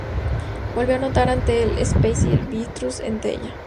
Volvió a anotar ante el Spezia y al Virtus Entella.